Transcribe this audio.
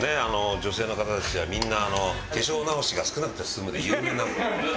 女性の方たちはみんなあの「化粧直しが少なくて済む」で有名な。